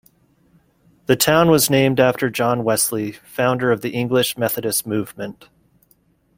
The town was named after John Wesley, founder of the English Methodist movement.